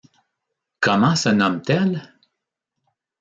Comment se nomme-t-elle ?